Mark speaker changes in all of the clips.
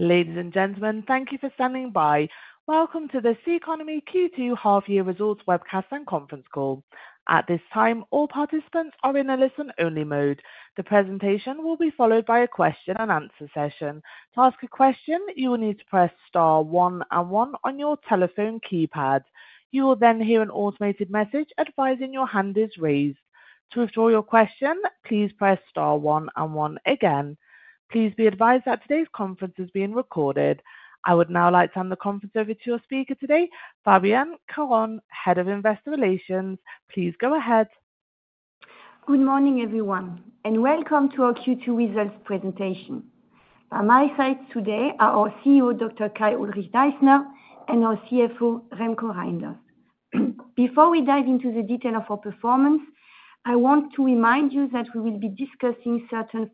Speaker 1: Ladies and gentlemen, thank you for standing by. Welcome to the Ceconomy Q2 half-year results webcast and conference call. At this time, all participants are in a listen-only mode. The presentation will be followed by a question-and-answer session. To ask a question, you will need to press star one and one on your telephone keypad. You will then hear an automated message advising your hand is raised. To withdraw your question, please press star one and one again. Please be advised that today's conference is being recorded. I would now like to hand the conference over to your speaker today, Fabienne Caron, Head of Investor Relations. Please go ahead.
Speaker 2: Good morning, everyone, and welcome to our Q2 results presentation. By my side today are our CEO, Dr. Kai-Ulrich Deissner, and our CFO, Remko Rijnders. Before we dive into the detail of our performance, I want to remind you that we will be discussing certain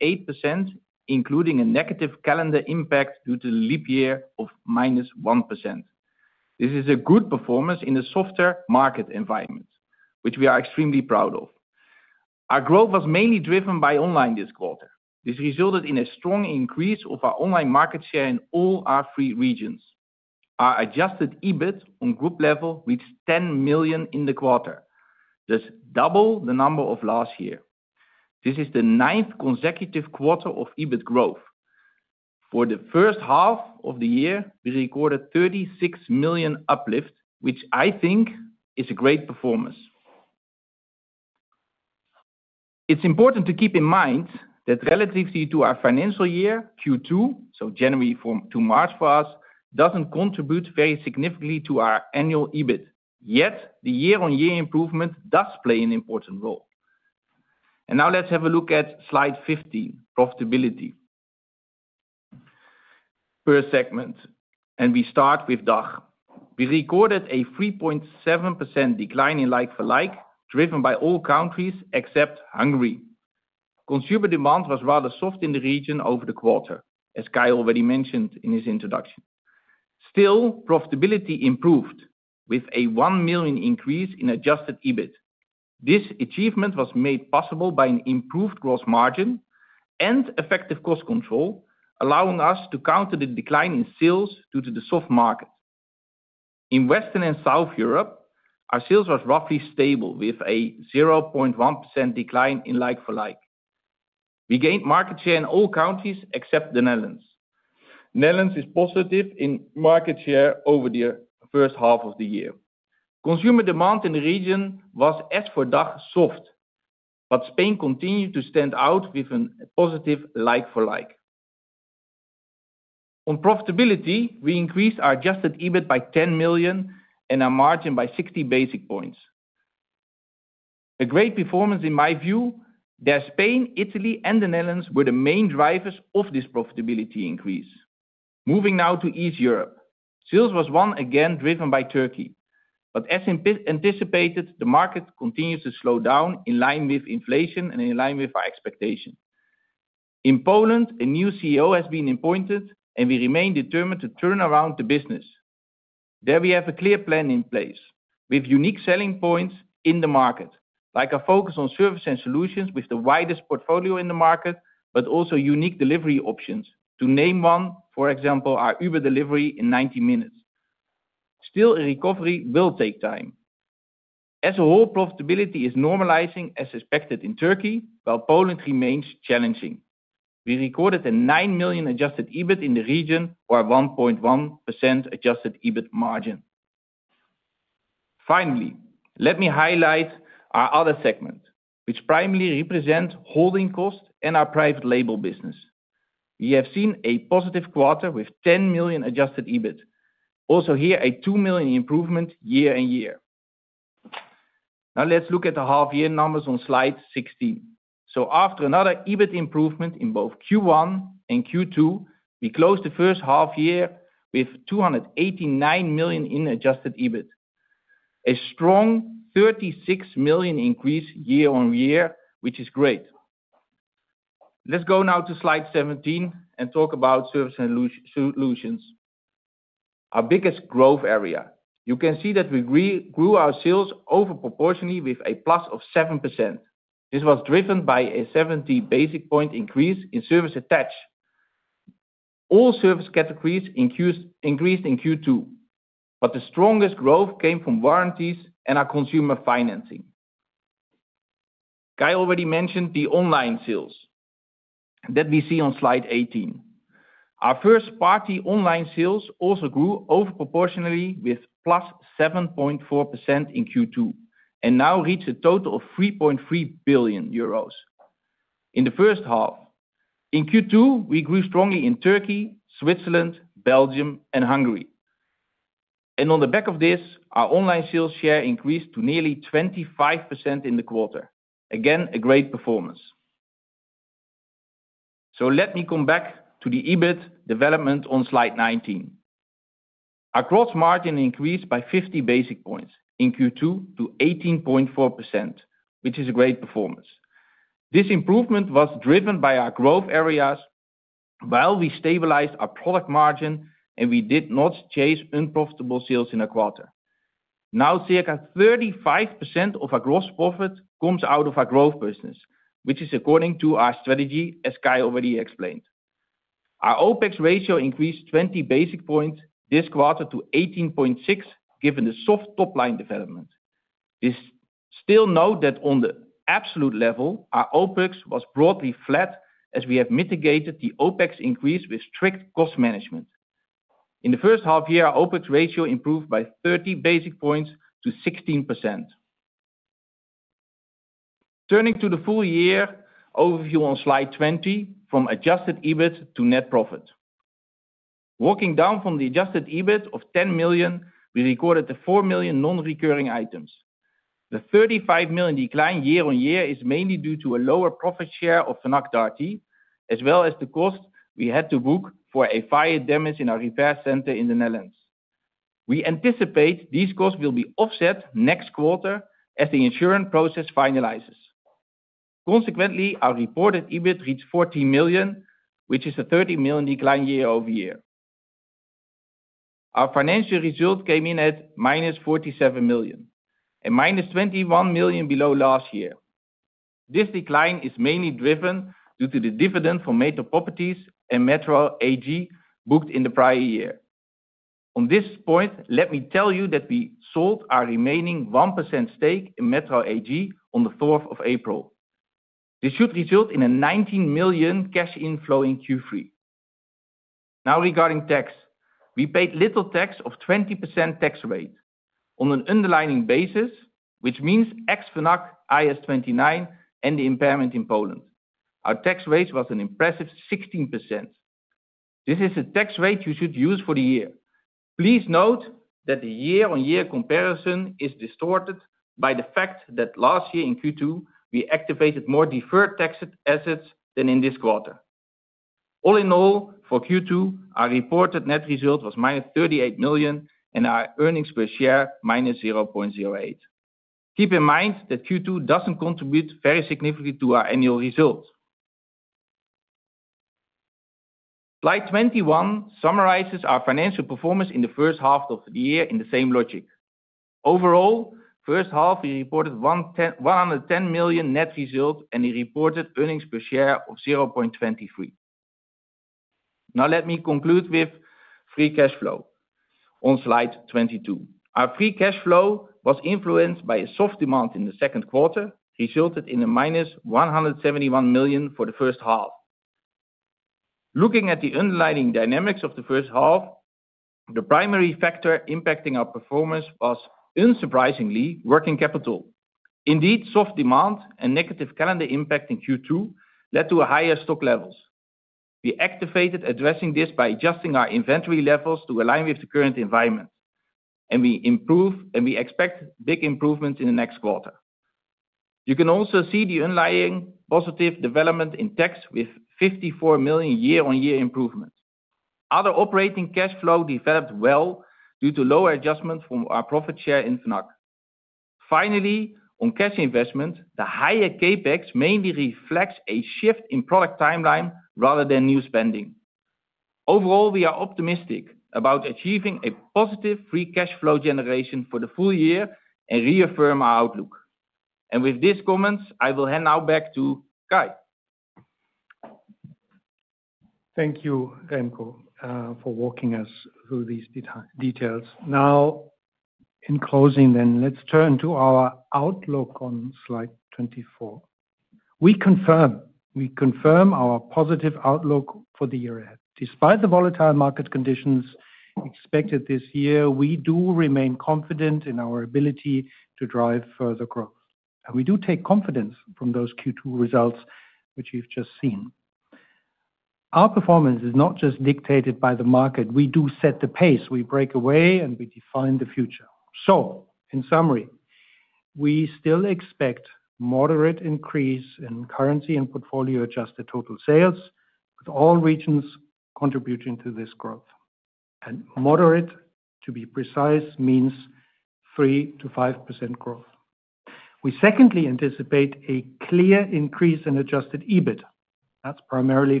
Speaker 2: forward-looking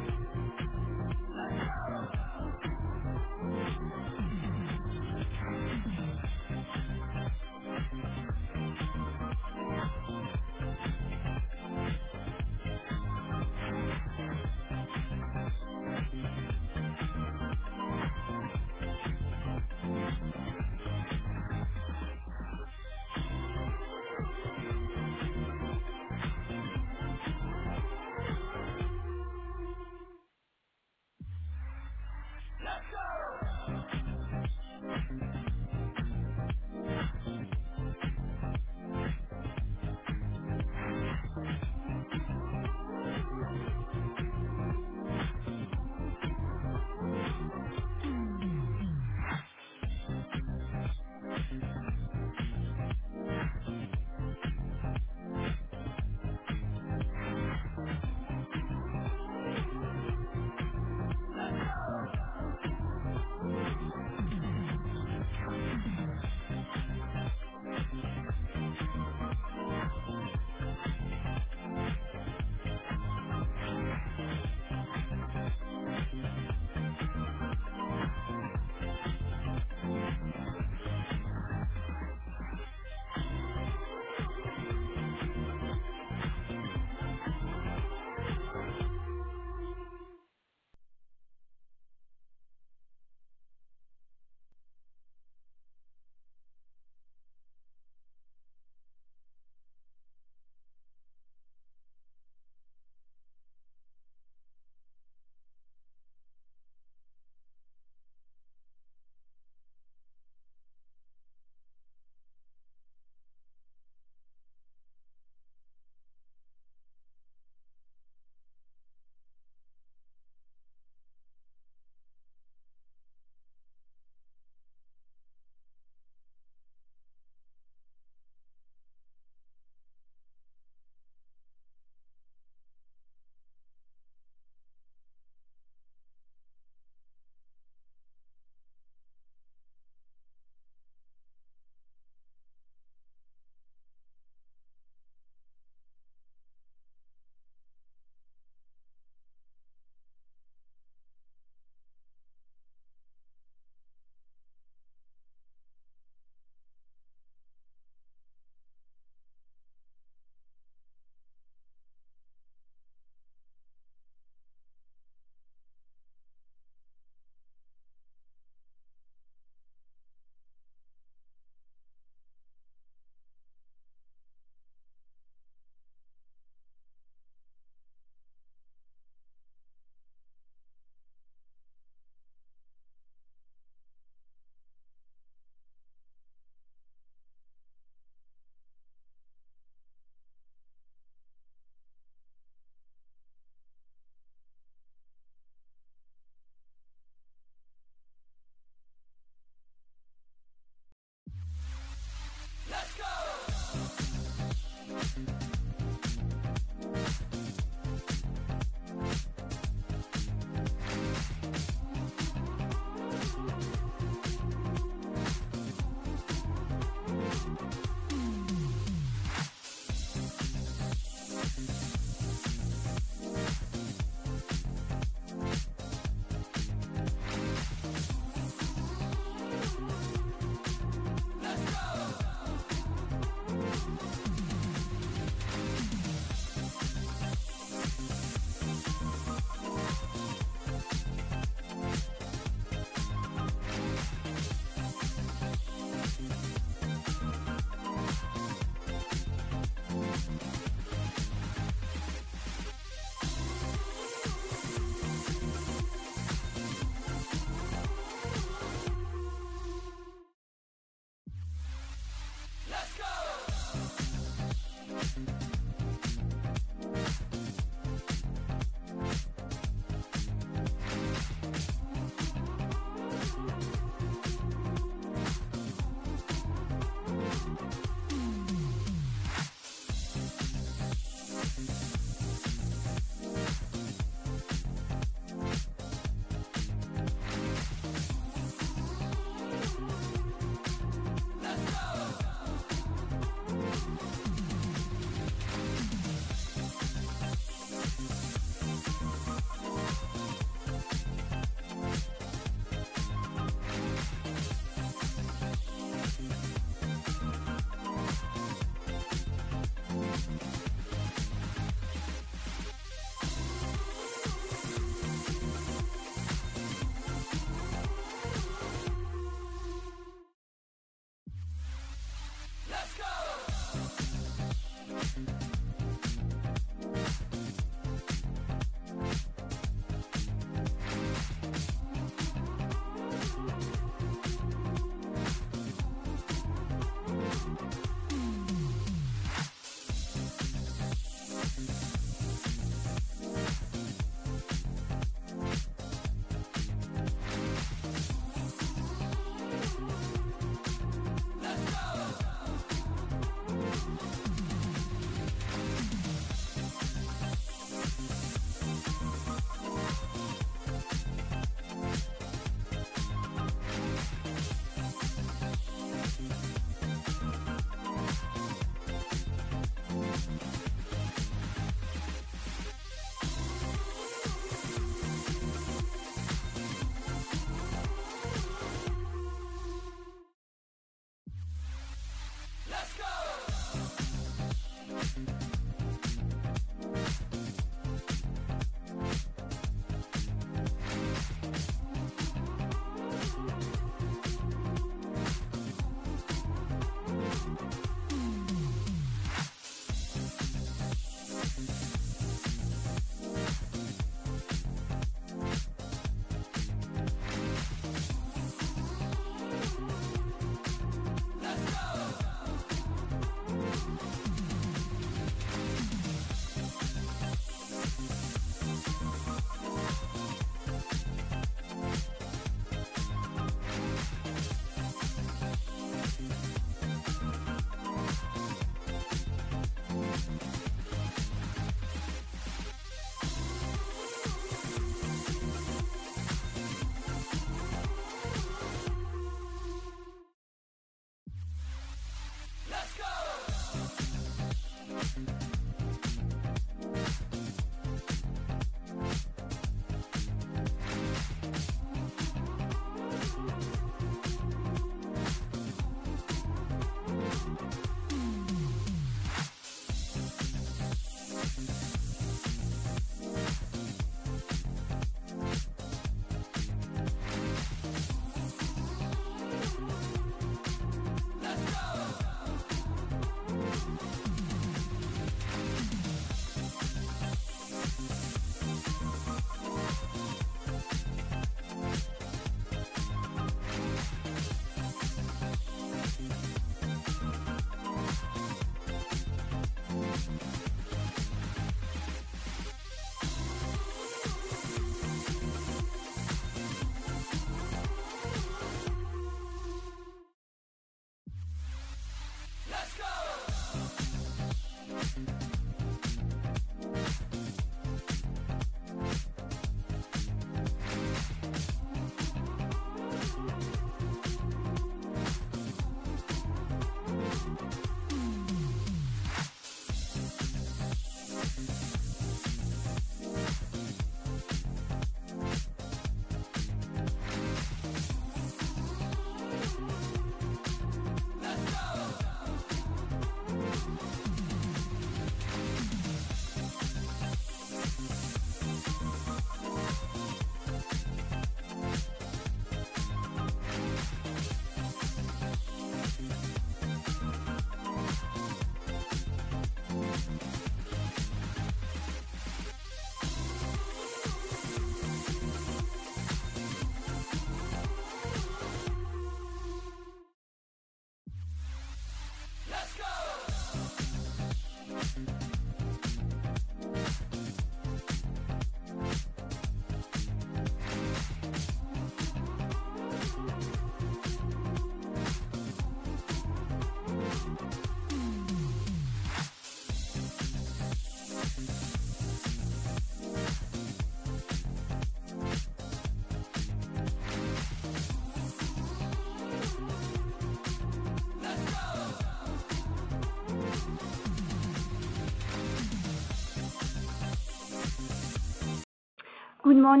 Speaker 2: statements.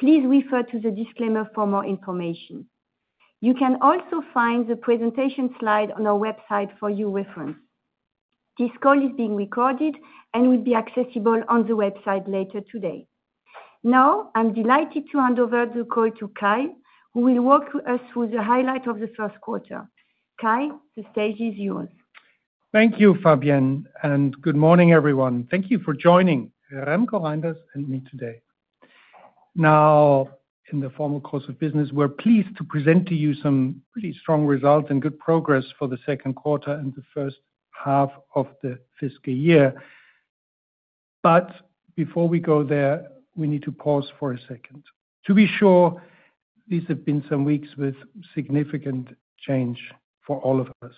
Speaker 2: Please refer to the disclaimer for more information. You can also find the presentation slide on our website for your reference. This call is being recorded and will be accessible on the website later today. Now, I'm delighted to hand over the call to Kai, who will walk us through the highlight of the first quarter. Kai, the stage is yours.
Speaker 3: Thank you, Fabienne, and good morning, everyone. Thank you for joining Remko Rijnders and me today. Now, in the formal course of business, we're pleased to present to you some pretty strong results and good progress for the second quarter and the first half of the fiscal year. Before we go there, we need to pause for a second. To be sure, these have been some weeks with significant change for all of us.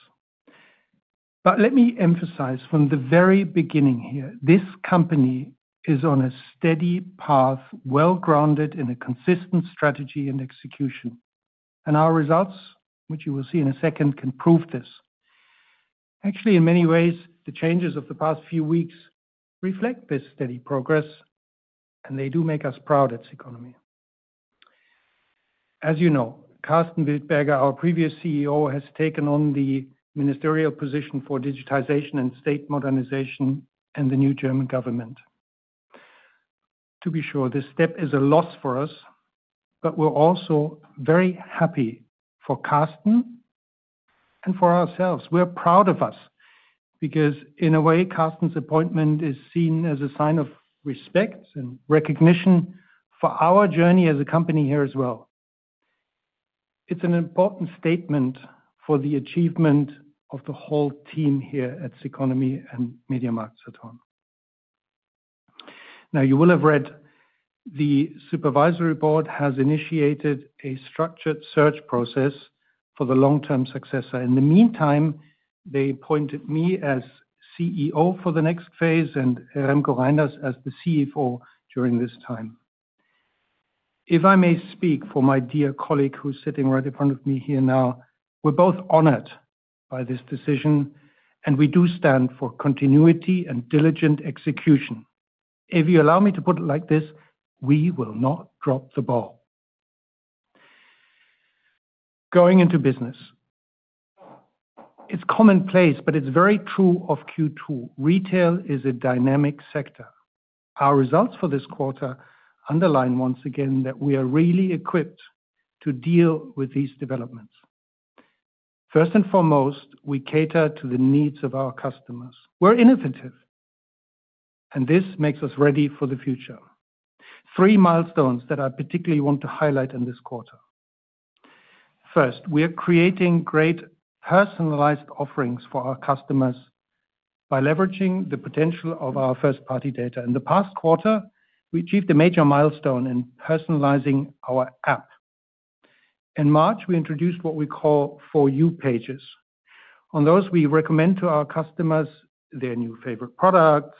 Speaker 3: Let me emphasize from the very beginning here, this company is on a steady path, well grounded in a consistent strategy and execution. Our results, which you will see in a second, can prove this. Actually, in many ways, the changes of the past few weeks reflect this steady progress, and they do make us proud at Ceconomy. As you know, Karsten Wildberger, our previous CEO, has taken on the ministerial position for digitization and state modernization in the new German government. To be sure, this step is a loss for us, but we're also very happy for Karsten and for ourselves. We're proud of us because, in a way, Karsten's appointment is seen as a sign of respect and recognition for our journey as a company here as well. It's an important statement for the achievement of the whole team here at Ceconomy and MediaMarktSaturn. Now, you will have read the supervisory board has initiated a structured search process for the long-term successor. In the meantime, they appointed me as CEO for the next phase and Remko Rijnders as the CFO during this time. If I may speak for my dear colleague who's sitting right in front of me here now, we're both honored by this decision, and we do stand for continuity and diligent execution. If you allow me to put it like this, we will not drop the ball. Going into business, it's commonplace, but it's very true of Q2. Retail is a dynamic sector. Our results for this quarter underline once again that we are really equipped to deal with these developments. First and foremost, we cater to the needs of our customers. We're innovative, and this makes us ready for the future. Three milestones that I particularly want to highlight in this quarter. First, we are creating great personalized offerings for our customers by leveraging the potential of our first-party data. In the past quarter, we achieved a major milestone in personalizing our app. In March, we introduced what we call For You Pages. On those, we recommend to our customers their new favorite products,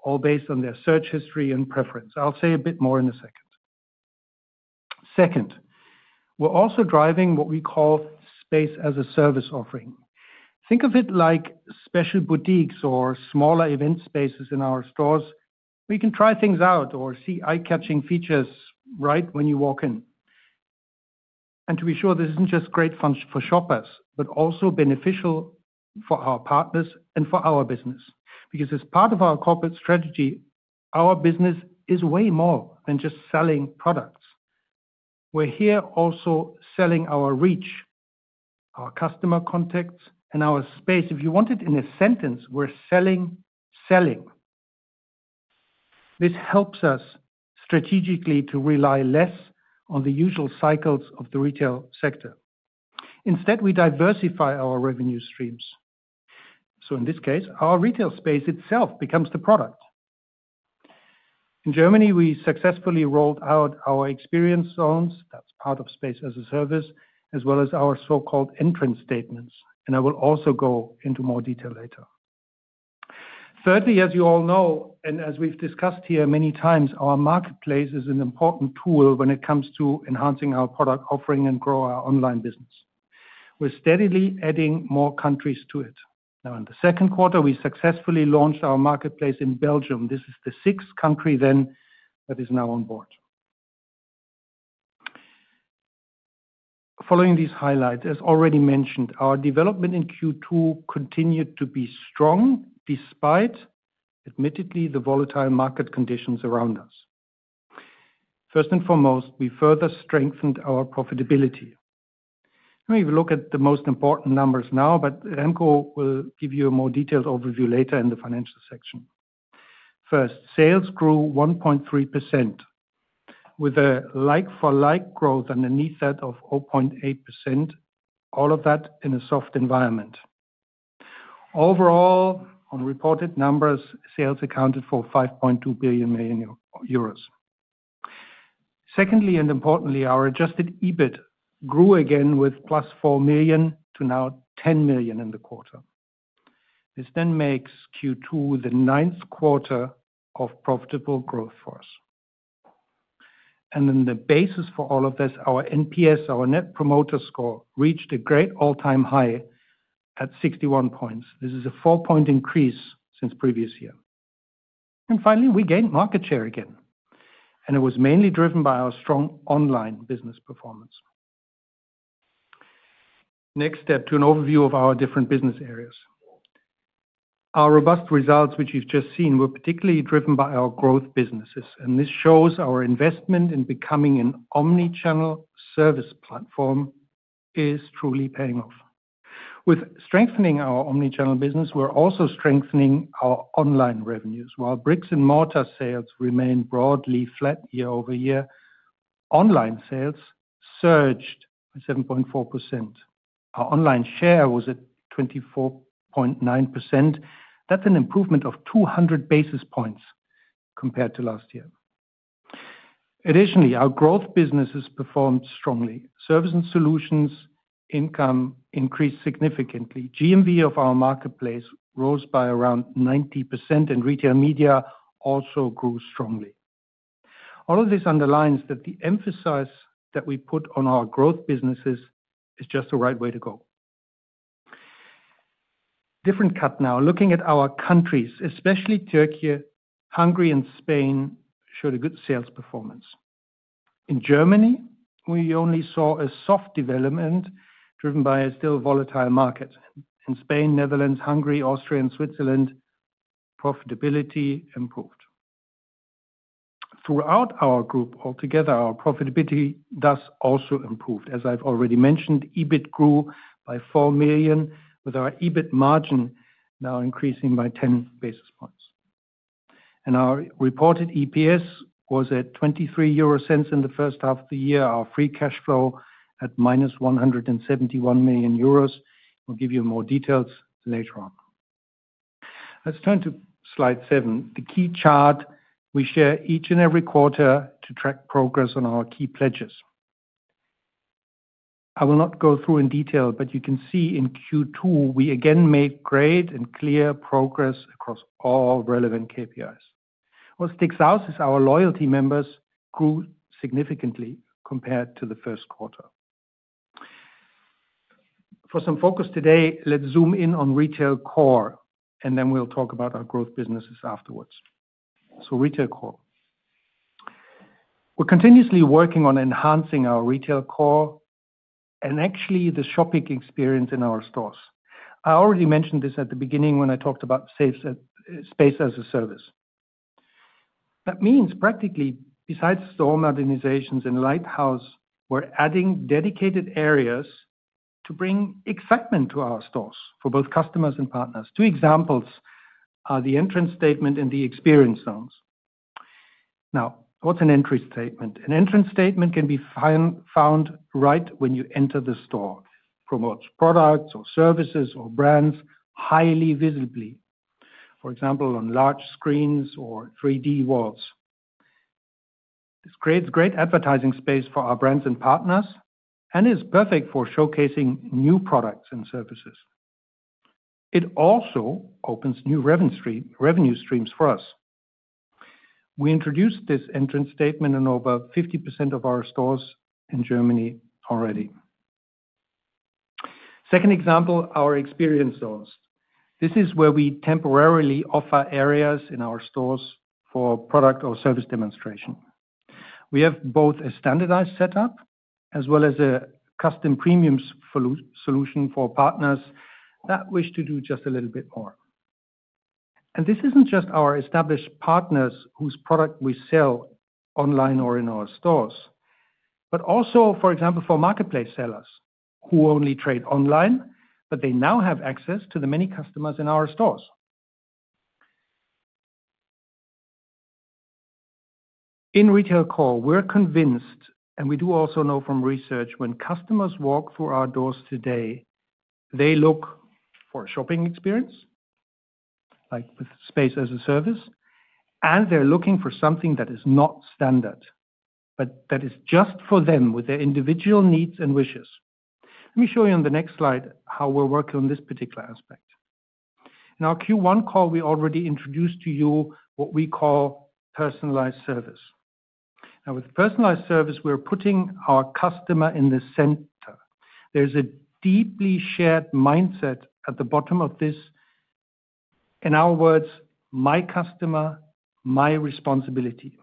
Speaker 3: all based on their search history and preference. I'll say a bit more in a second. Second, we're also driving what we call space as a service offering. Think of it like special boutiques or smaller event spaces in our stores. You can try things out or see eye-catching features right when you walk in. To be sure, this isn't just great for shoppers, but also beneficial for our partners and for our business because as part of our corporate strategy, our business is way more than just selling products. We're here also selling our reach, our customer contacts, and our space. If you want it in a sentence, we're selling, selling. This helps us strategically to rely less on the usual cycles of the retail sector. Instead, we diversify our revenue streams. In this case, our retail space itself becomes the product. In Germany, we successfully rolled out our experience zones. That is part of space as a service, as well as our so-called entrance statements. I will also go into more detail later. Thirdly, as you all know, and as we have discussed here many times, our marketplace is an important tool when it comes to enhancing our product offering and growing our online business. We are steadily adding more countries to it. In the second quarter, we successfully launched our marketplace in Belgium. This is the sixth country that is now on board. Following these highlights, as already mentioned, our development in Q2 continued to be strong despite, admittedly, the volatile market conditions around us. First and foremost, we further strengthened our profitability. We look at the most important numbers now, but Remko will give you a more detailed overview later in the financial section. First, sales grew 1.3% with a like-for-like growth underneath that of 0.8%, all of that in a soft environment. Overall, on reported numbers, sales accounted for 5.2 billion. Secondly, and importantly, our adjusted EBIT grew again with plus 4 million to now 10 million in the quarter. This then makes Q2 the ninth quarter of profitable growth for us. The basis for all of this, our NPS, our net promoter score, reached a great all-time high at 61 points. This is a four-point increase since previous year. Finally, we gained market share again, and it was mainly driven by our strong online business performance. Next step to an overview of our different business areas. Our robust results, which you've just seen, were particularly driven by our growth businesses, and this shows our investment in becoming an omnichannel service platform is truly paying off. With strengthening our omnichannel business, we're also strengthening our online revenues. While bricks and mortar sales remained broadly flat year-over-year, online sales surged by 7.4%. Our online share was at 24.9%. That's an improvement of 200 basis points compared to last year. Additionally, our growth businesses performed strongly. Service and solutions income increased significantly. GMV of our marketplace rose by around 90%, and retail media also grew strongly. All of this underlines that the emphasis that we put on our growth businesses is just the right way to go. Different cut now. Looking at our countries, especially Türkiye, Hungary, and Spain showed a good sales performance. In Germany, we only saw a soft development driven by a still volatile market. In Spain, Netherlands, Hungary, Austria, and Switzerland, profitability improved. Throughout our group altogether, our profitability does also improve. As I've already mentioned, EBIT grew by 4 million, with our EBIT margin now increasing by 10 basis points. Our reported EPS was at 0.23 in the first half of the year. Our free cash flow at -171 million euros. We will give you more details later on. Let's turn to slide seven, the key chart we share each and every quarter to track progress on our key pledges. I will not go through in detail, but you can see in Q2, we again made great and clear progress across all relevant KPIs. What sticks out is our loyalty members grew significantly compared to the first quarter. For some focus today, let's zoom in on retail core, and then we'll talk about our growth businesses afterwards. So retail core. We're continuously working on enhancing our retail core and actually the shopping experience in our stores. I already mentioned this at the beginning when I talked about space as a service. That means practically, besides store modernizations and lighthouse, we're adding dedicated areas to bring excitement to our stores for both customers and partners. Two examples are the entrance statement and the experience zones. Now, what's an entrance statement? An entrance statement can be found right when you enter the store. Promotes products or services or brands highly visibly, for example, on large screens or 3D walls. This creates great advertising space for our brands and partners and is perfect for showcasing new products and services. It also opens new revenue streams for us. We introduced this entrance statement in over 50% of our stores in Germany already. Second example, our experience zones. This is where we temporarily offer areas in our stores for product or service demonstration. We have both a standardized setup as well as a custom premium solution for partners that wish to do just a little bit more. This is not just our established partners whose product we sell online or in our stores, but also, for example, for marketplace sellers who only trade online, but they now have access to the many customers in our stores. In retail core, we're convinced, and we do also know from research, when customers walk through our doors today, they look for a shopping experience like with space as a service, and they're looking for something that is not standard, but that is just for them with their individual needs and wishes. Let me show you on the next slide how we're working on this particular aspect. In our Q1 call, we already introduced to you what we call personalized service. Now, with personalized service, we're putting our customer in the center. There's a deeply shared mindset at the bottom of this. In our words, my customer, my responsibility.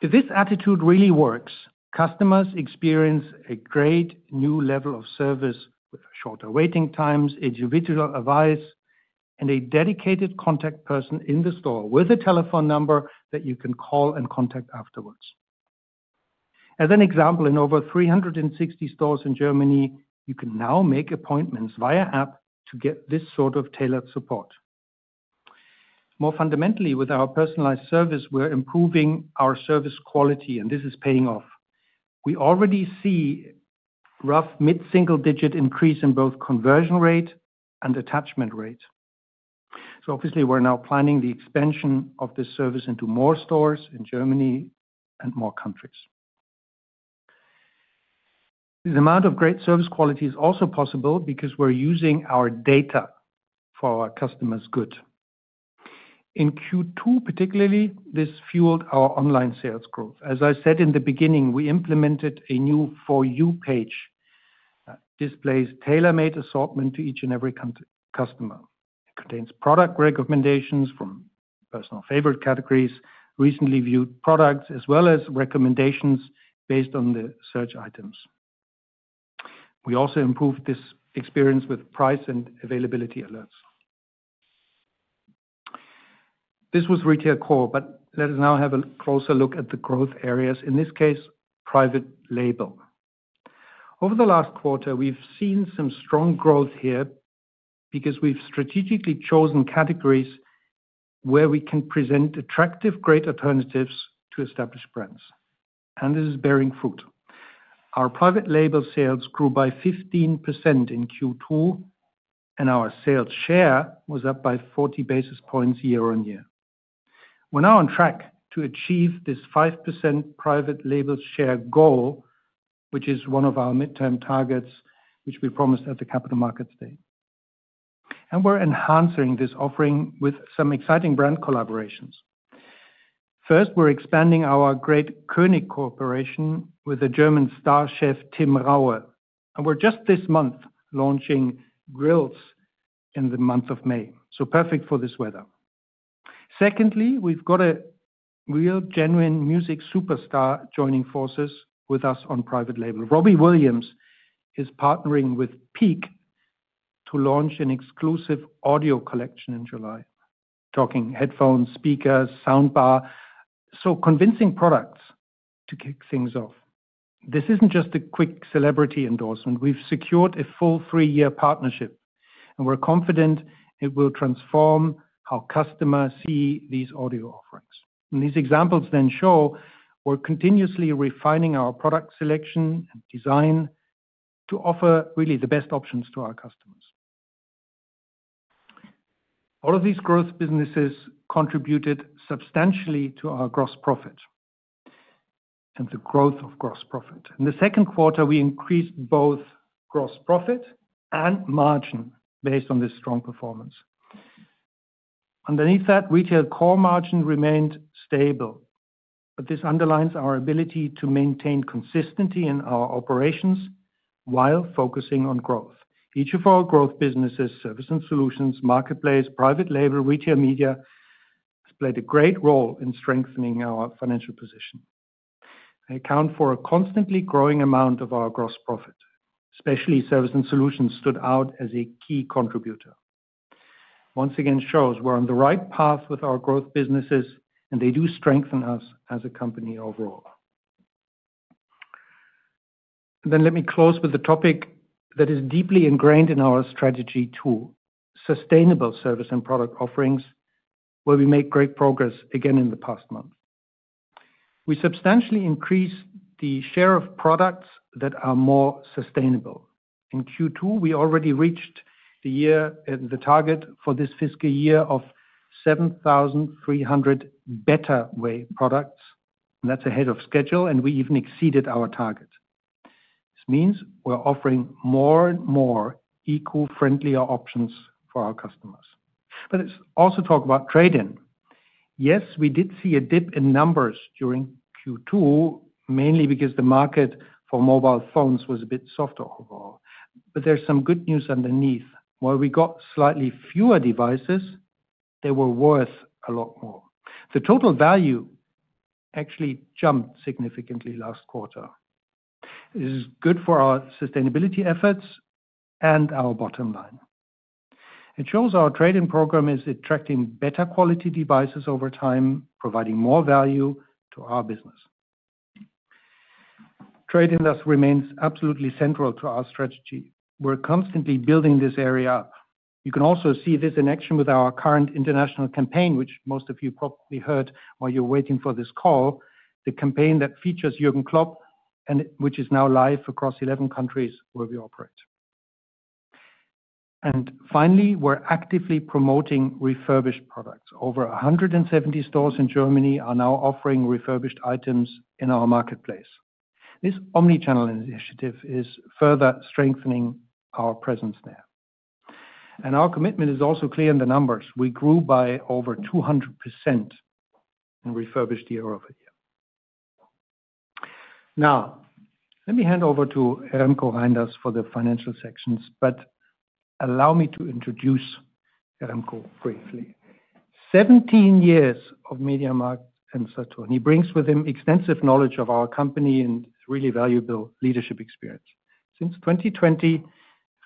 Speaker 3: If this attitude really works, customers experience a great new level of service with shorter waiting times, individual advice, and a dedicated contact person in the store with a telephone number that you can call and contact afterwards. As an example, in over 360 stores in Germany, you can now make appointments via app to get this sort of tailored support. More fundamentally, with our personalized service, we're improving our service quality, and this is paying off. We already see rough mid-single-digit increase in both conversion rate and attachment rate. Obviously, we're now planning the expansion of this service into more stores in Germany and more countries. The amount of great service quality is also possible because we're using our data for our customers' good. In Q2, particularly, this fueled our online sales growth. As I said in the beginning, we implemented a new For You page that displays tailor-made assortment to each and every customer. It contains product recommendations from personal favorite categories, recently viewed products, as well as recommendations based on the search items. We also improved this experience with price and availability alerts. This was retail core, but let us now have a closer look at the growth areas, in this case, private label. Over the last quarter, we've seen some strong growth here because we've strategically chosen categories where we can present attractive great alternatives to established brands. This is bearing fruit. Our private label sales grew by 15% in Q2, and our sales share was up by 40 basis points year on year. We are now on track to achieve this 5% private label share goal, which is one of our midterm targets, which we promised at the capital markets day. We are enhancing this offering with some exciting brand collaborations. First, we are expanding our great Koenig Grills collaboration with the German star chef Tim Raue. We are just this month launching grills in the month of May, so perfect for this weather. Secondly, we have got a real genuine music superstar joining forces with us on private label. Robbie Williams is partnering with Peaq Audio Collection to launch an exclusive audio collection in July. Talking headphones, speakers, soundbar, so convincing products to kick things off. This is not just a quick celebrity endorsement. We've secured a full three-year partnership, and we're confident it will transform how customers see these audio offerings. These examples then show we're continuously refining our product selection and design to offer really the best options to our customers. All of these growth businesses contributed substantially to our gross profit and the growth of gross profit. In the second quarter, we increased both gross profit and margin based on this strong performance. Underneath that, retail core margin remained stable, but this underlines our ability to maintain consistency in our operations while focusing on growth. Each of our growth businesses, service and solutions, marketplace, private label, retail media has played a great role in strengthening our financial position. They account for a constantly growing amount of our gross profit. Especially service and solutions stood out as a key contributor. Once again, it shows we're on the right path with our growth businesses, and they do strengthen us as a company overall. Let me close with a topic that is deeply ingrained in our strategy too, sustainable service and product offerings, where we make great progress again in the past month. We substantially increased the share of products that are more sustainable. In Q2, we already reached the year-end target for this fiscal year of 7,300 Better Way products, and that's ahead of schedule, and we even exceeded our target. This means we're offering more and more eco-friendlier options for our customers. Let's also talk about trade-in. Yes, we did see a dip in numbers during Q2, mainly because the market for mobile phones was a bit softer overall. There's some good news underneath. Where we got slightly fewer devices, they were worth a lot more. The total value actually jumped significantly last quarter. This is good for our sustainability efforts and our bottom line. It shows our trade-in program is attracting better quality devices over time, providing more value to our business. Trade-in thus remains absolutely central to our strategy. We are constantly building this area up. You can also see this in action with our current international campaign, which most of you probably heard while you were waiting for this call, the campaign that features Jürgen Klopp, and which is now live across 11 countries where we operate. Finally, we are actively promoting refurbished products. Over 170 stores in Germany are now offering refurbished items in our marketplace. This omnichannel initiative is further strengthening our presence there. Our commitment is also clear in the numbers. We grew by over 200% in refurbished year-over-year. Now, let me hand over to Remko Rijnders for the financial sections, but allow me to introduce Remko briefly. Seventeen years of MediaMarkt and Saturn. He brings with him extensive knowledge of our company and really valuable leadership experience. Since 2020,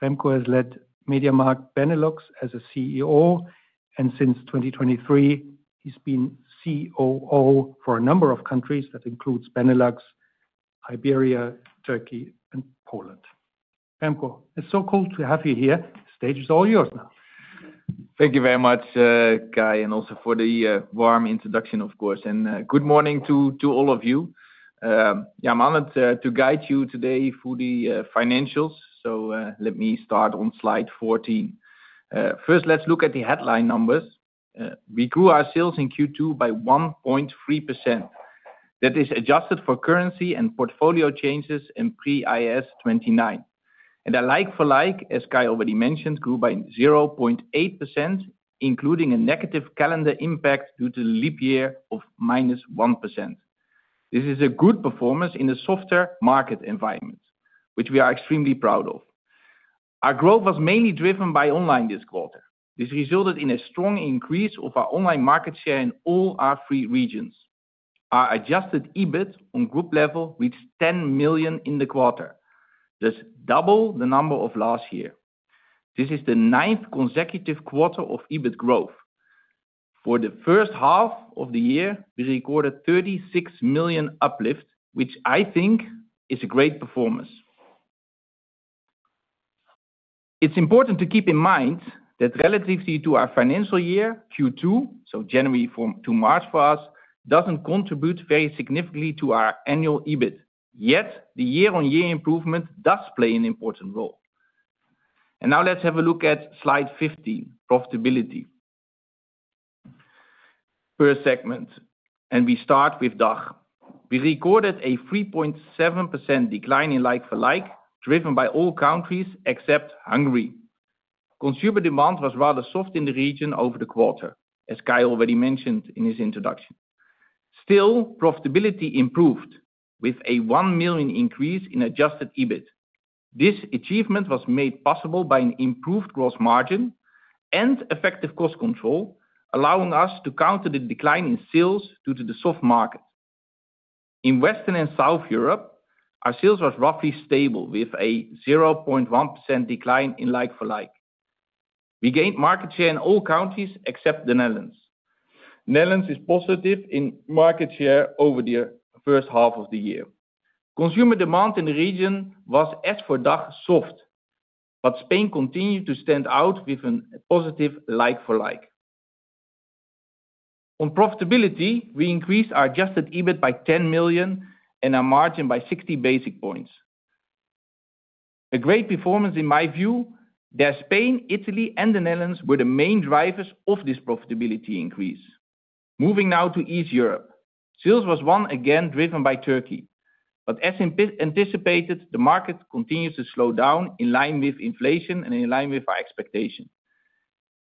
Speaker 3: Remko has led MediaMarkt Benelux as CEO, and since 2023, he's been COO for a number of countries that includes Benelux, Iberia, Türkiye, and Poland. Remko, it's so cool to have you here. The stage is all yours now.
Speaker 4: Thank you very much, Kai, and also for the warm introduction, of course. Good morning to all of you. Yeah, I'm honored to guide you today through the financials, so let me start on slide 14. First, let's look at the headline numbers. We grew our sales in Q2 by 1.3%. That is adjusted for currency and portfolio changes in pre-IS29. The like-for-like, as Kai already mentioned, grew by 0.8%, including a negative calendar impact due to the leap year of -1%. This is a good performance in a softer market environment, which we are extremely proud of. Our growth was mainly driven by online this quarter. This resulted in a strong increase of our online market share in all our three regions. Our adjusted EBIT on group level reached 10 million in the quarter, thus double the number of last year. This is the ninth consecutive quarter of EBIT growth. For the first half of the year, we recorded 36 million uplift, which I think is a great performance. It's important to keep in mind that relative to our financial year, Q2, so January to March for us, doesn't contribute very significantly to our annual EBIT. Yet, the year-on-year improvement does play an important role. Now let's have a look at slide 15, profitability, per segment. We start with DACH. We recorded a 3.7% decline in like-for-like, driven by all countries except Hungary. Consumer demand was rather soft in the region over the quarter, as Kai already mentioned in his introduction. Still, profitability improved with a 1 million increase in adjusted EBIT. This achievement was made possible by an improved gross margin and effective cost control, allowing us to counter the decline in sales due to the soft market. In Western and South Europe, our sales were roughly stable with a 0.1% decline in like-for-like. We gained market share in all countries except the Netherlands. Netherlands is positive in market share over the first half of the year. Consumer demand in the region was, as for DACH, soft, but Spain continued to stand out with a positive like-for-like. On profitability, we increased our adjusted EBIT by 10 million and our margin by 60 basis points. A great performance in my view, as Spain, Italy, and the Netherlands were the main drivers of this profitability increase. Moving now to East Europe, sales was once again driven by Türkiye. As anticipated, the market continues to slow down in line with inflation and in line with our expectation.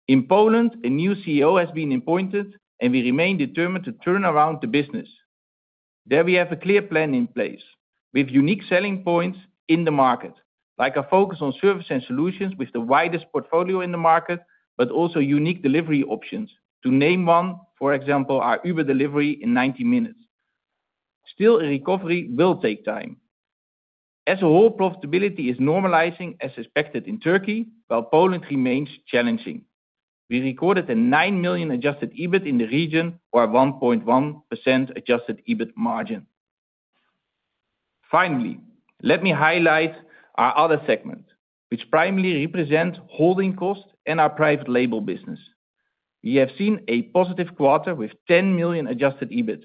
Speaker 4: In Poland, a new CEO has been appointed, and we remain determined to turn around the business. There we have a clear plan in place with unique selling points in the market, like a focus on service and solutions with the widest portfolio in the market, but also unique delivery options, to name one, for example, our Uber delivery in 90 minutes. Still, a recovery will take time. As a whole, profitability is normalizing as expected in Türkiye, while Poland remains challenging. We recorded a 9 million adjusted EBIT in the region or a 1.1% adjusted EBIT margin. Finally, let me highlight our other segment, which primarily represents holding costs and our private label business. We have seen a positive quarter with 10 million adjusted EBIT.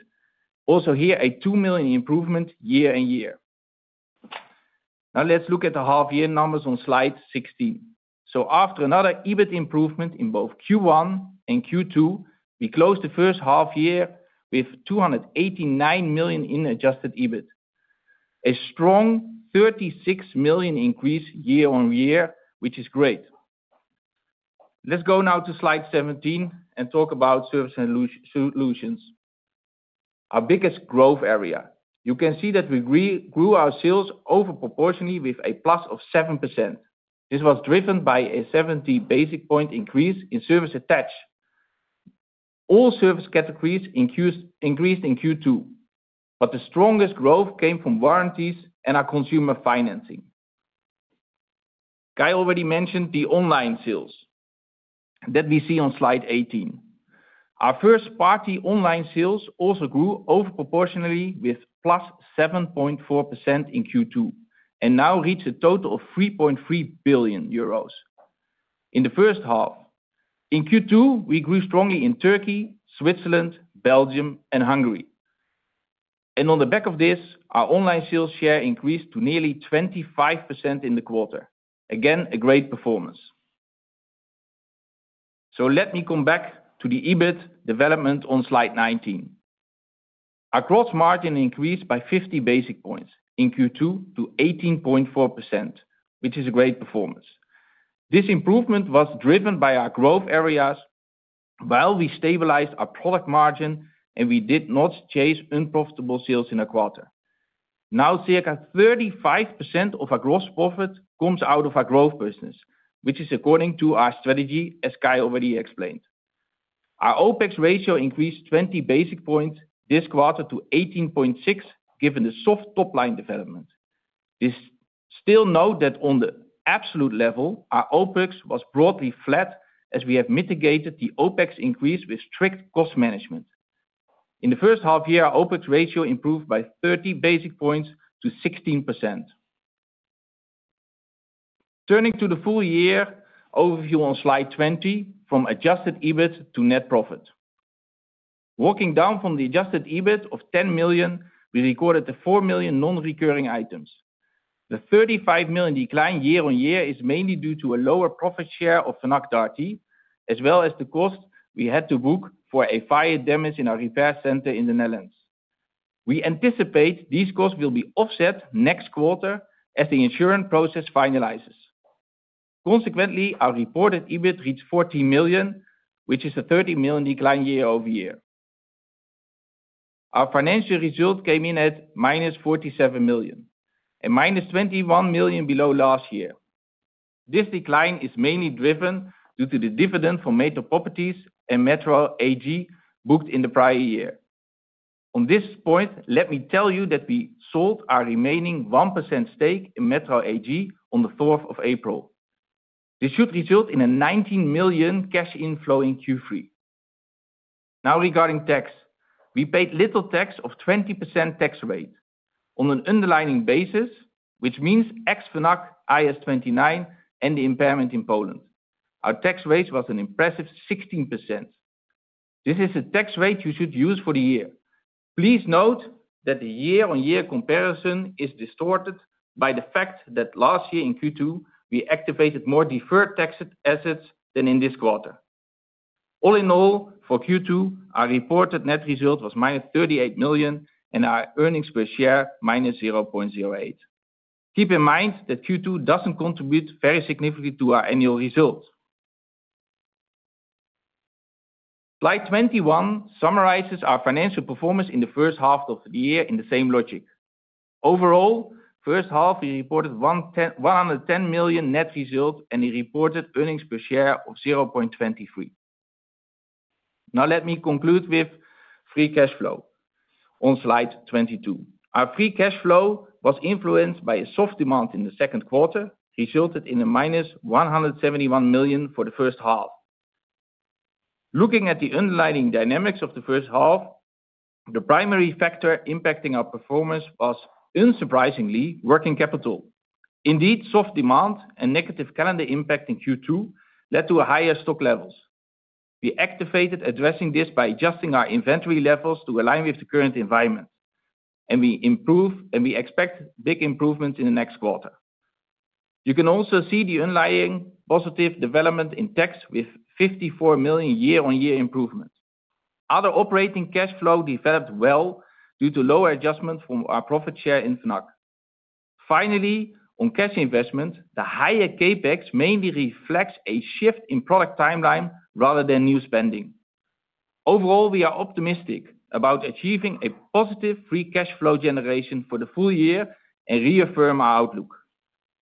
Speaker 4: Also here, a 2 million improvement year on year. Now let's look at the half-year numbers on slide 16. After another EBIT improvement in both Q1 and Q2, we closed the first half year with 289 million in adjusted EBIT. A strong 36 million increase year on year, which is great. Let's go now to slide 17 and talk about service and solutions. Our biggest growth area. You can see that we grew our sales overproportionately with a plus of 7%. This was driven by a 70 basis point increase in service attached. All service categories increased in Q2, but the strongest growth came from warranties and our consumer financing. Kai already mentioned the online sales that we see on slide 18. Our first-party online sales also grew overproportionately with +7.4% in Q2 and now reached a total of 3.3 billion euros in the first half. In Q2, we grew strongly in Türkiye, Switzerland, Belgium, and Hungary. On the back of this, our online sales share increased to nearly 25% in the quarter. Again, a great performance. Let me come back to the EBIT development on slide 19. Our gross margin increased by 50 basis points in Q2 to 18.4%, which is a great performance. This improvement was driven by our growth areas while we stabilized our product margin and we did not chase unprofitable sales in a quarter. Now, circa 35% of our gross profit comes out of our growth business, which is according to our strategy, as Kai already explained. Our OpEx ratio increased 20 basis points this quarter to 18.6%, given the soft top-line development. Still, note that on the absolute level, our OpEx was broadly flat as we have mitigated the OpEx increase with strict cost management. In the first half year, our OpEx ratio improved by 30 basis points to 16%. Turning to the full-year overview on slide 20, from adjusted EBIT to net profit. Walking down from the adjusted EBIT of 10 million, we recorded the 4 million non-recurring items. The 35 million decline year on year is mainly due to a lower profit share of Fnac Darty, as well as the cost we had to book for a fire damage in our repair center in the Netherlands. We anticipate these costs will be offset next quarter as the insurance process finalizes. Consequently, our reported EBIT reached 14 million, which is a 30 million decline year-over-year. Our financial result came in at -47 million, a -21 million below last year. This decline is mainly driven due to the dividend for Metro Properties and Metro AG booked in the prior year. On this point, let me tell you that we sold our remaining 1% stake in Metro AG on the 4th of April. This should result in a 19 million cash inflow in Q3. Now, regarding tax, we paid little tax of 20% tax rate on an underlying basis, which means ex Fnac Darty, IS29, and the impairment in Poland. Our tax rate was an impressive 16%. This is a tax rate you should use for the year. Please note that the year-on-year comparison is distorted by the fact that last year in Q2, we activated more deferred tax assets than in this quarter. All in all, for Q2, our reported net result was -38 million and our earnings per share -0.08. Keep in mind that Q2 does not contribute very significantly to our annual result. Slide 21 summarizes our financial performance in the first half of the year in the same logic. Overall, first half, we reported 110 million net result and we reported earnings per share of 0.23. Now, let me conclude with free cash flow on slide 22. Our free cash flow was influenced by a soft demand in the second quarter, resulted in a -171 million for the first half. Looking at the underlining dynamics of the first half, the primary factor impacting our performance was, unsurprisingly, working capital. Indeed, soft demand and negative calendar impact in Q2 led to higher stock levels. We activated addressing this by adjusting our inventory levels to align with the current environment, and we expect big improvements in the next quarter. You can also see the underlying positive development in tax with 54 million year-on-year improvement. Other operating cash flow developed well due to lower adjustment from our profit share in Fnac Darty. Finally, on cash investment, the higher CapEx mainly reflects a shift in product timeline rather than new spending. Overall, we are optimistic about achieving a positive free cash flow generation for the full year and reaffirm our outlook.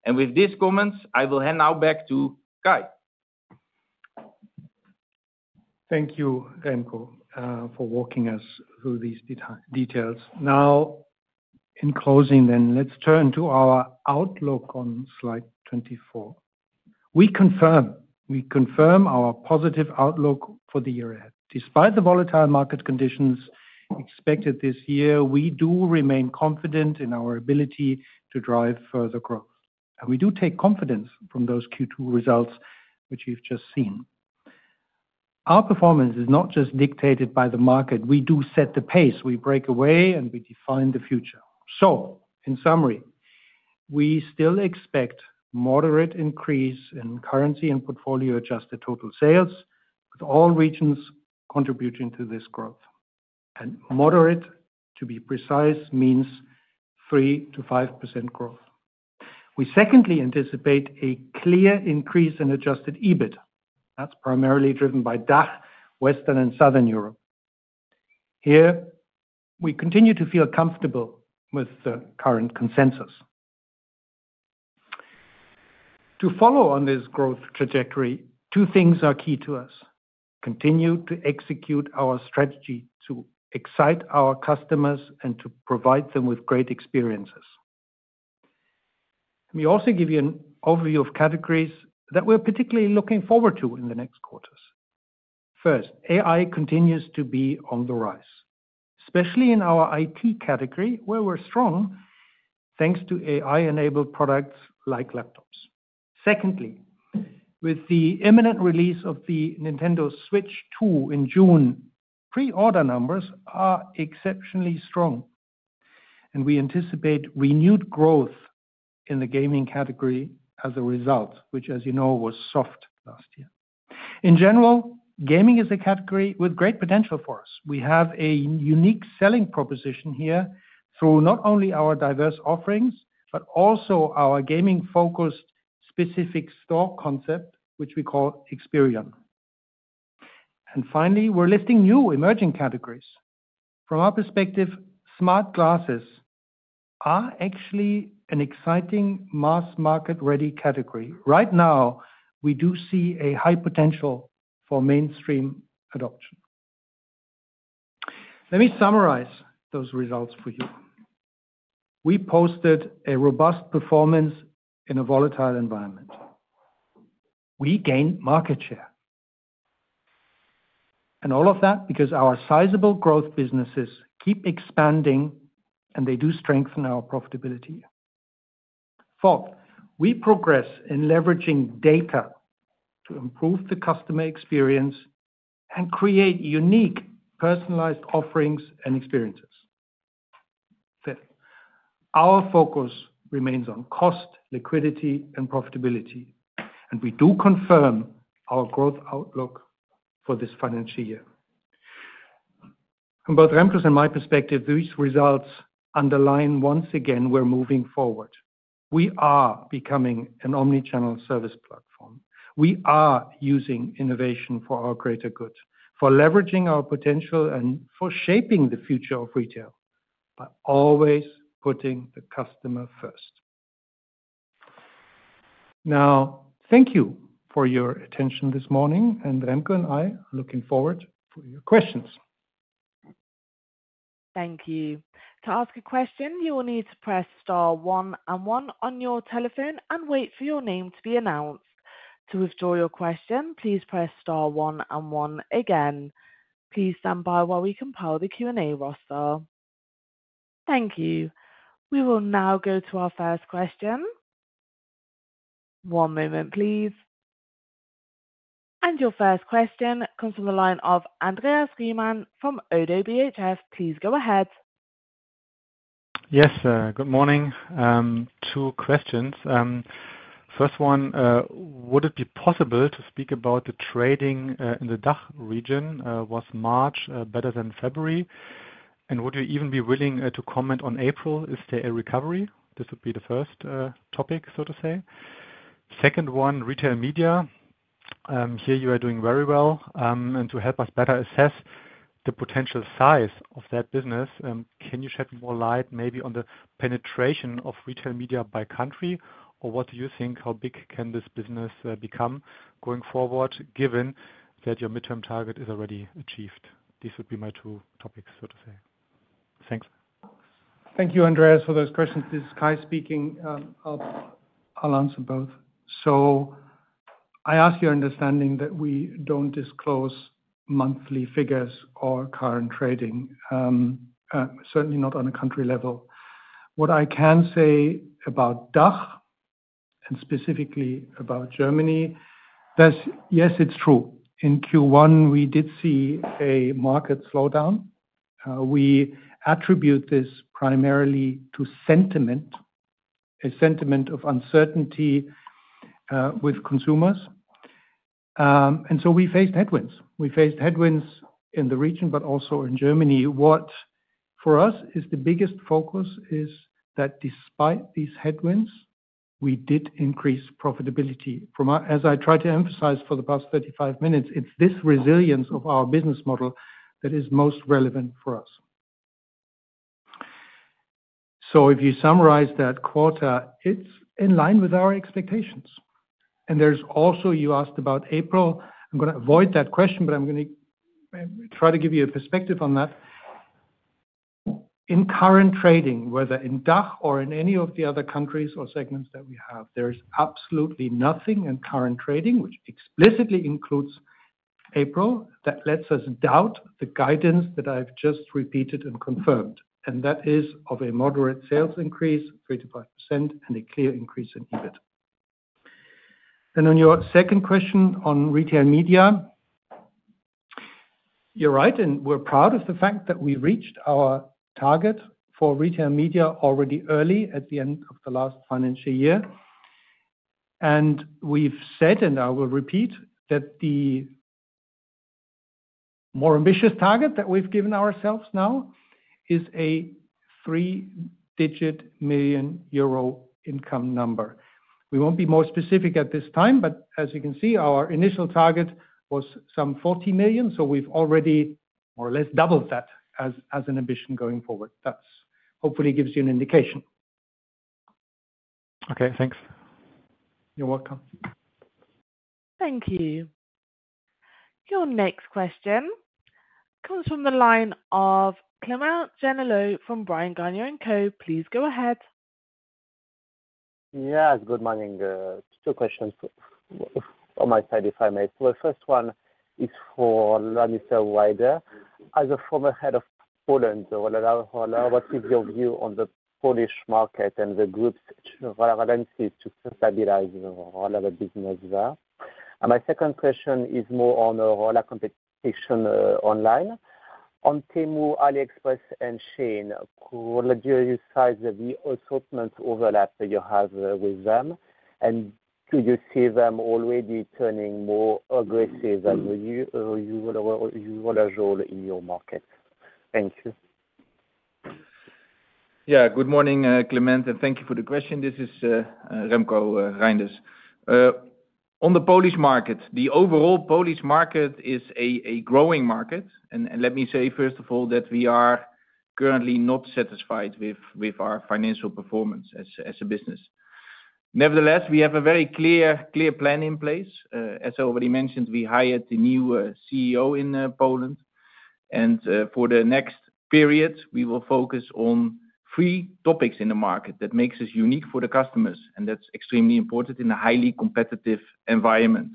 Speaker 4: With these comments, I will hand now back to Kai.
Speaker 3: Thank you, Remko, for walking us through these details. In closing, let's turn to our outlook on slide 24. We confirm our positive outlook for the year. Despite the volatile market conditions expected this year, we do remain confident in our ability to drive further growth. We do take confidence from those Q2 results, which you've just seen. Our performance is not just dictated by the market. We do set the pace. We break away and we define the future. In summary, we still expect moderate increase in currency and portfolio adjusted total sales, with all regions contributing to this growth. Moderate, to be precise, means 3%-5% growth. We secondly anticipate a clear increase in adjusted EBIT. That's primarily driven by DACH, Western, and Southern Europe. Here, we continue to feel comfortable with the current consensus. To follow on this growth trajectory, two things are key to us. Continue to execute our strategy to excite our customers and to provide them with great experiences. Let me also give you an overview of categories that we're particularly looking forward to in the next quarters. First, AI continues to be on the rise, especially in our IT category, where we're strong thanks to AI-enabled products like laptops. Secondly, with the imminent release of the Nintendo Switch 2 in June, pre-order numbers are exceptionally strong. We anticipate renewed growth in the gaming category as a result, which, as you know, was soft last year. In general, gaming is a category with great potential for us. We have a unique selling proposition here through not only our diverse offerings, but also our gaming-focused specific store concept, which we call Experion. Finally, we're listing new emerging categories. From our perspective, smart glasses are actually an exciting mass-market-ready category. Right now, we do see a high potential for mainstream adoption. Let me summarize those results for you. We posted a robust performance in a volatile environment. We gained market share. All of that because our sizable growth businesses keep expanding, and they do strengthen our profitability. Fourth, we progress in leveraging data to improve the customer experience and create unique personalized offerings and experiences. Fifth, our focus remains on cost, liquidity, and profitability. We do confirm our growth outlook for this financial year. From both Remko's and my perspective, these results underline once again we're moving forward. We are becoming an omnichannel service platform. We are using innovation for our greater good, for leveraging our potential, and for shaping the future of retail, but always putting the customer first. Now, thank you for your attention this morning, and Remko and I are looking forward to your questions.
Speaker 1: Thank you. To ask a question, you will need to press star one and one on your telephone and wait for your name to be announced. To withdraw your question, please press star one and one again. Please stand by while we compile the Q&A roster. Thank you. We will now go to our first question. One moment, please. Your first question comes from the line of Andreas Riemann from ODDO BHF. Please go ahead.
Speaker 5: Yes, good morning. Two questions. First one, would it be possible to speak about the trading in the DACH region? Was March better than February? Would you even be willing to comment on April? Is there a recovery? This would be the first topic, so to say. Second one, retail media. Here, you are doing very well. To help us better assess the potential size of that business, can you shed more light maybe on the penetration of retail media by country? What do you think? How big can this business become going forward, given that your midterm target is already achieved? These would be my two topics, so to say. Thanks.
Speaker 3: Thank you, Andreas, for those questions. This is Kai speaking. I'll answer both. I ask your understanding that we do not disclose monthly figures or current trading, certainly not on a country level. What I can say about DACH and specifically about Germany is, yes, it is true. In Q1, we did see a market slowdown. We attribute this primarily to sentiment, a sentiment of uncertainty with consumers. We faced headwinds. We faced headwinds in the region, but also in Germany. What for us is the biggest focus is that despite these headwinds, we did increase profitability. As I tried to emphasize for the past 35 minutes, it is this resilience of our business model that is most relevant for us. If you summarize that quarter, it is in line with our expectations. You asked about April. I am going to avoid that question, but I am going to try to give you a perspective on that. In current trading, whether in DACH or in any of the other countries or segments that we have, there is absolutely nothing in current trading, which explicitly includes April, that lets us doubt the guidance that I have just repeated and confirmed. That is of a moderate sales increase, 3%-5%, and a clear increase in EBIT. On your second question on retail media, you're right, and we're proud of the fact that we reached our target for retail media already early at the end of the last financial year. We've said, and I will repeat, that the more ambitious target that we've given ourselves now is a three-digit million EUR income number. We won't be more specific at this time, but as you can see, our initial target was some 40 million. We've already more or less doubled that as an ambition going forward. That hopefully gives you an indication.
Speaker 5: Okay, thanks.
Speaker 3: You're welcome.
Speaker 1: Thank you. Your next question comes from the line of Clément Genelot from Bryan Garnier & Co. Please go ahead.
Speaker 6: Yes, good morning. Two questions on my side, if I may. The first one is for Karsten Wildberger. As a former head of Poland, what is your view on the Polish market and the group's relevancy to stabilize the business there? My second question is more on the rollout competition online on Temu, AliExpress, and Shein. Do you see the assortment overlap that you have with them? Do you see them already turning more aggressive and usable in your market? Thank you.
Speaker 4: Yeah, good morning, Clément, and thank you for the question. This is Remko Rijnders. On the Polish market, the overall Polish market is a growing market. Let me say, first of all, that we are currently not satisfied with our financial performance as a business. Nevertheless, we have a very clear plan in place. As already mentioned, we hired the new CEO in Poland. For the next period, we will focus on three topics in the market that make us unique for the customers, and that's extremely important in a highly competitive environment.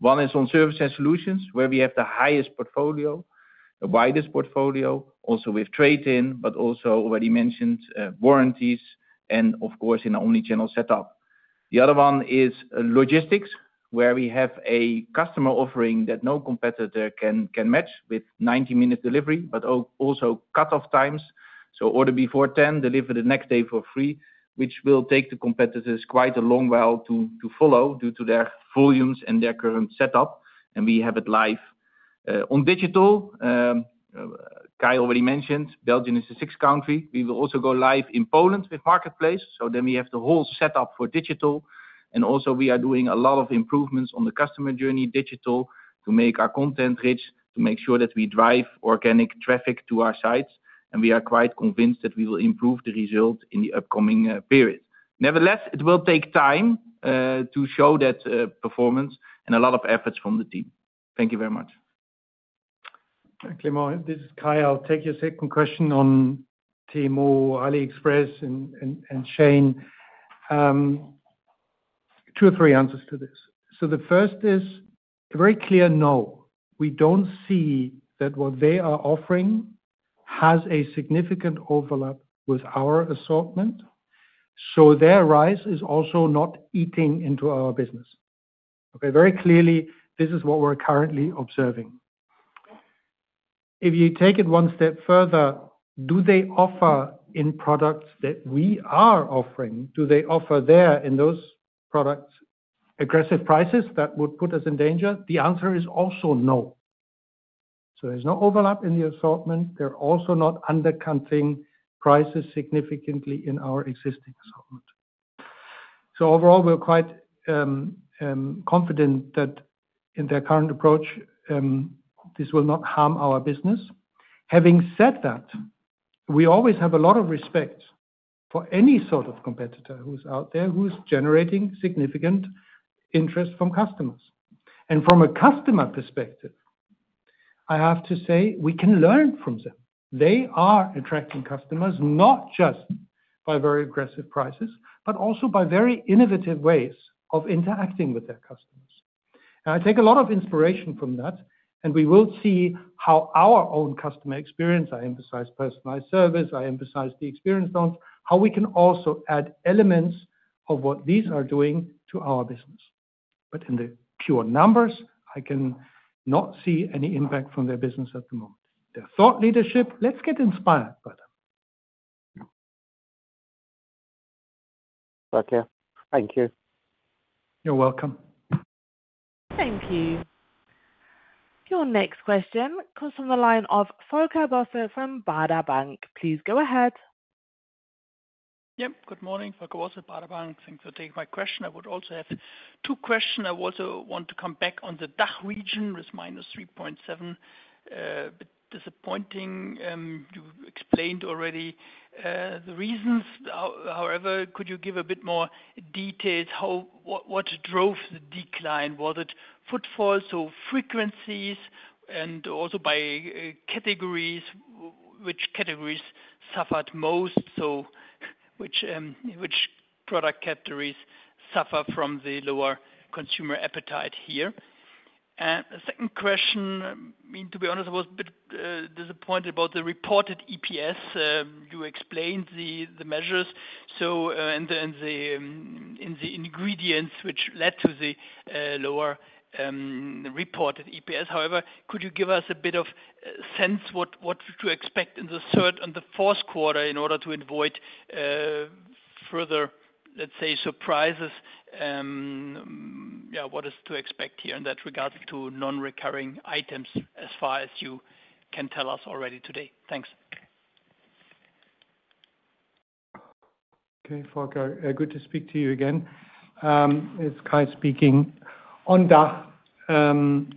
Speaker 4: One is on service and solutions, where we have the highest portfolio, the widest portfolio, also with trade-in, but also already mentioned warranties, and of course, in an omnichannel setup. The other one is logistics, where we have a customer offering that no competitor can match with 90-minute delivery, but also cutoff times. Order before 10, deliver the next day for free, which will take the competitors quite a long while to follow due to their volumes and their current setup. We have it live on digital. Kai already mentioned, Belgium is the sixth country. We will also go live in Poland with Marketplace. Then we have the whole setup for digital. We are doing a lot of improvements on the customer journey digital to make our content rich, to make sure that we drive organic traffic to our sites. We are quite convinced that we will improve the result in the upcoming period. Nevertheless, it will take time to show that performance and a lot of efforts from the team. Thank you very much. Thank you, Clément.
Speaker 3: This is Kai. I'll take your second question on Temu, AliExpress, and Shein. Two or three answers to this. The first is a very clear no. We do not see that what they are offering has a significant overlap with our assortment. Their rise is also not eating into our business. Very clearly, this is what we are currently observing. If you take it one step further, do they offer in products that we are offering? Do they offer there in those products aggressive prices that would put us in danger? The answer is also no. There is no overlap in the assortment. They are also not undercutting prices significantly in our existing assortment. Overall, we are quite confident that in their current approach, this will not harm our business. Having said that, we always have a lot of respect for any sort of competitor who is out there who is generating significant interest from customers. From a customer perspective, I have to say we can learn from them. They are attracting customers not just by very aggressive prices, but also by very innovative ways of interacting with their customers. I take a lot of inspiration from that. We will see how our own customer experience, I emphasize personalized service, I emphasize the experience zones, how we can also add elements of what these are doing to our business. In the pure numbers, I cannot see any impact from their business at the moment. Their thought leadership, let's get inspired by them.
Speaker 6: Okay, thank you.
Speaker 3: You're welcome.
Speaker 1: Thank you. Your next question comes from the line of Volker Bosse from Baader Bank. Please go ahead.
Speaker 7: Yep, good morning. Volker Bosse, Baader Bank. Thanks for taking my question. I would also have two questions. I also want to come back on the DACH region with -3.7%, a bit disappointing. You explained already the reasons. However, could you give a bit more details? What drove the decline? Was it footfall, so frequencies, and also by categories? Which categories suffered most? Which product categories suffer from the lower consumer appetite here? The second question, to be honest, I was a bit disappointed about the reported EPS. You explained the measures and the ingredients which led to the lower reported EPS. However, could you give us a bit of sense what to expect in the third and the fourth quarter in order to avoid further, let's say, surprises? What is to expect here in that regard to non-recurring items as far as you can tell us already today? Thanks.
Speaker 3: Okay, Volker, good to speak to you again. It's Kai speaking on DACH and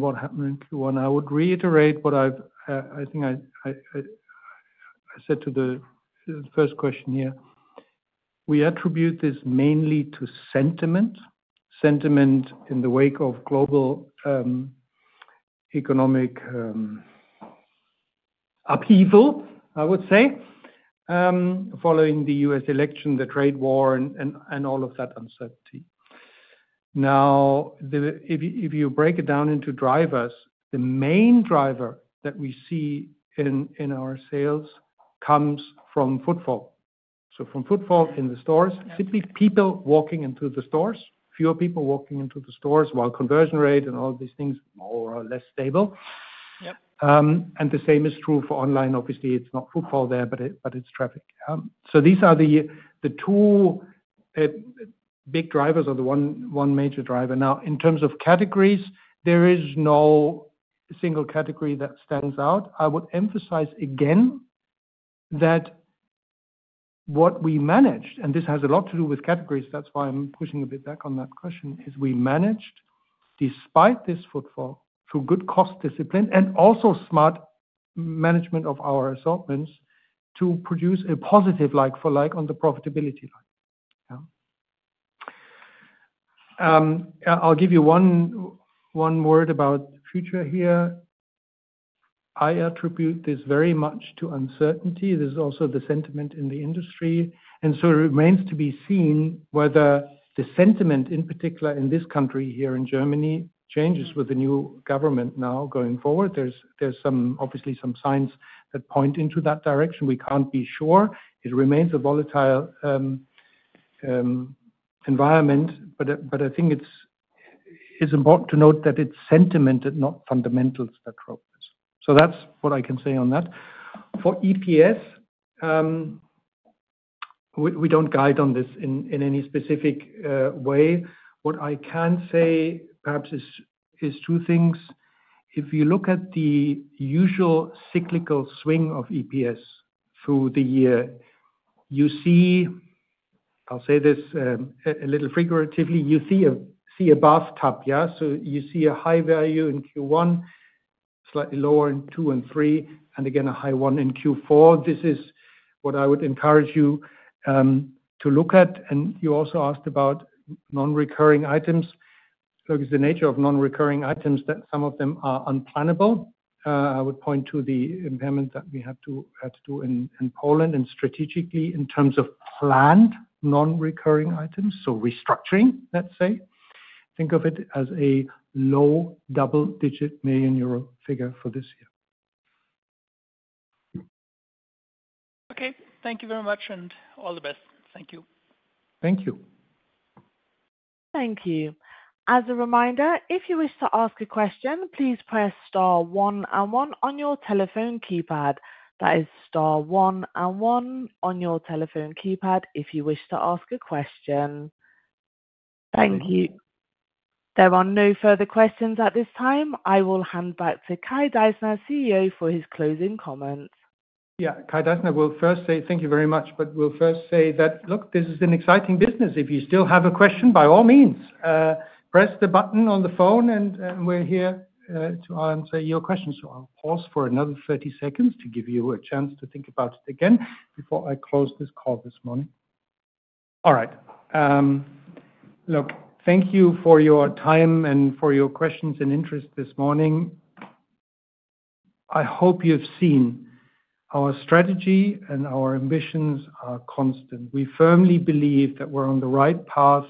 Speaker 3: what happened. I would reiterate what I think I said to the first question here. We attribute this mainly to sentiment, sentiment in the wake of global economic upheaval, I would say, following the U.S. election, the trade war, and all of that uncertainty. Now, if you break it down into drivers, the main driver that we see in our sales comes from footfall. From footfall in the stores, simply people walking into the stores, fewer people walking into the stores while conversion rate and all these things are more or less stable. The same is true for online. Obviously, it's not footfall there, but it's traffic. These are the two big drivers or the one major driver. Now, in terms of categories, there is no single category that stands out. I would emphasize again that what we managed, and this has a lot to do with categories. That's why I'm pushing a bit back on that question, is we managed, despite this footfall, through good cost discipline and also smart management of our assortments to produce a positive like-for-like on the profitability line. I'll give you one word about the future here. I attribute this very much to uncertainty. This is also the sentiment in the industry. It remains to be seen whether the sentiment, in particular in this country here in Germany, changes with the new government now going forward. There are obviously some signs that point in that direction. We can't be sure. It remains a volatile environment. I think it's important to note that it's sentiment and not fundamentals that drove this. That's what I can say on that. For EPS, we don't guide on this in any specific way. What I can say perhaps is two things. If you look at the usual cyclical swing of EPS through the year, you see, I'll say this a little figuratively, you see a bathtub. You see a high value in Q1, slightly lower in Q2 and Q3, and again, a high one in Q4. This is what I would encourage you to look at. You also asked about non-recurring items. Look, it is the nature of non-recurring items that some of them are unplannable. I would point to the impairment that we had to do in Poland and strategically in terms of planned non-recurring items, so restructuring, let's say. Think of it as a low double-digit million EUR figure for this year.
Speaker 7: Okay, thank you very much and all the best. Thank you.
Speaker 3: Thank you.
Speaker 1: Thank you. As a reminder, if you wish to ask a question, please press star one and one on your telephone keypad. That is star one and one on your telephone keypad if you wish to ask a question. Thank you. There are no further questions at this time. I will hand back to Kai-Ulrich Deissner, CEO, for his closing comments.
Speaker 3: Yeah, Kai-Ulrich Deissner will first say thank you very much, but will first say that, look, this is an exciting business. If you still have a question, by all means, press the button on the phone, and we're here to answer your questions. I'll pause for another 30 seconds to give you a chance to think about it again before I close this call this morning. All right. Look, thank you for your time and for your questions and interest this morning. I hope you've seen our strategy and our ambitions are constant. We firmly believe that we're on the right path,